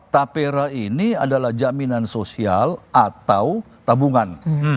tapera ini adalah jaminan sosial atau tabungan